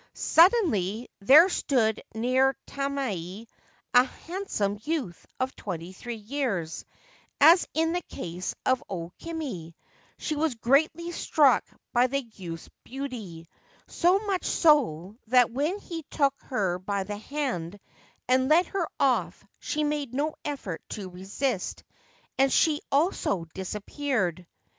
Suddenly there stood near Tamae a handsome youth of twenty three years, as in the case of O Kimi ; she was greatly struck by the youth's beauty, so much so that when he took her by the hand and led her off she made no effort to resist, and she also disappeared.